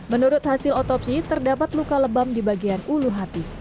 menurut hasil otopsi terdapat luka lebam di bagian ulu hati